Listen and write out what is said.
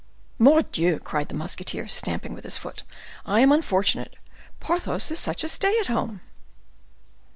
"Mordioux!" cried the musketeer, stamping with his foot, "I am unfortunate. Porthos is such a stay at home!"